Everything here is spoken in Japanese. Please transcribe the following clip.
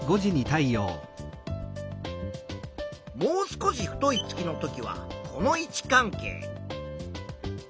もう少し太い月の時はこの位置関係。